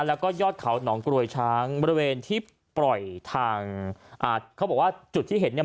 แล้วก็ยอดเขาหนองกรวยช้างบริเวณที่ปล่อยทางอ่าเขาบอกว่าจุดที่เห็นเนี่ย